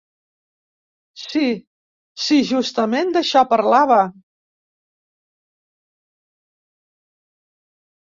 Sí, sí, justament d'això parlava.